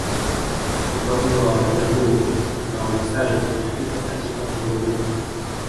Mababu wa Wajaluo na Wamasai walifika katika mwendo huu